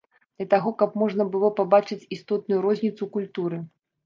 Для таго, каб можна было пабачыць істотную розніцу ў культуры.